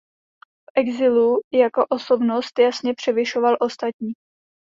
V exilu jako osobnost jasně převyšoval ostatní.